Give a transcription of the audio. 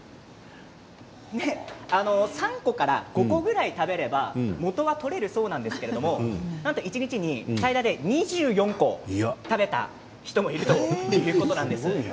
３個から５個ぐらい食べればもとは取れるそうなんですけど一日に最大で２４個食べた人もいるということです。